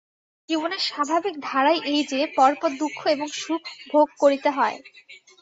জীবনের স্বাভাবিক ধারাই এই যে, পর পর দুঃখ এবং সুখ ভোগ করিতে হয়।